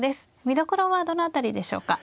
見どころはどの辺りでしょうか。